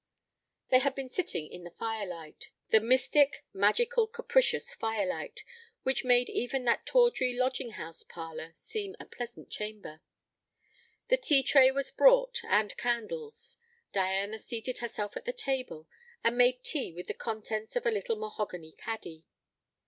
They had been sitting in the firelight the mystic magical capricious firelight which made even that tawdry lodging house parlour seem a pleasant chamber. The tea tray was brought, and candles. Diana seated herself at the table, and made tea with the contents of a little mahogany caddy.